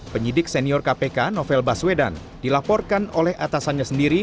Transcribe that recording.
penyidik senior kpk novel baswedan dilaporkan oleh atasannya sendiri